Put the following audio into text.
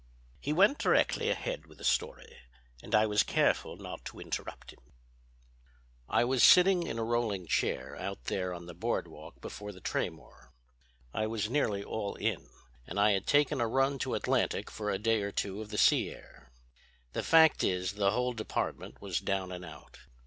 He went directly ahead with the story and I was careful not to interrupt him: "I was sitting in a rolling chair out there on the Boardwalk before the Traymore. I was nearly all in, and I had taken a run to Atlantic for a day or two of the sea air. The fact is the whole department was down and out.